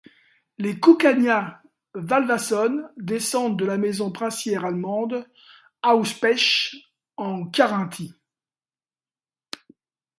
Les Cucagna-Valvasone descendent de la maison princière allemande Auerspech, en Carinthie.